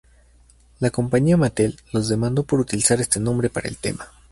La compañía Mattel los demandó por utilizar este nombre para el tema.